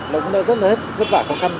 nó cũng đã rất là hết khó khăn